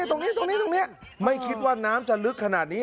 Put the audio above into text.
ตรงนี้ตรงนี้ไม่คิดว่าน้ำจะลึกขนาดนี้